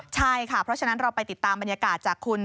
ใช่ค่ะเพราะฉะนั้นเราไปติดตามบรรยากาศจากคุณ